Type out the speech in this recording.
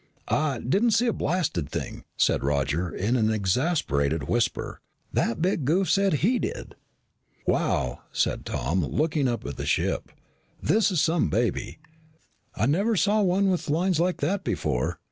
"I didn't see a blasted thing," said Roger in an exasperated whisper. "That big goof said he did." "Wow!" said Tom, looking up at the ship. "This is some baby. I never saw one with lines like that before.